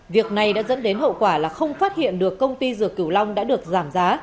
việc này đã dẫn đến hậu quả là không phát hiện được công ty dược cửu long đã được giảm giá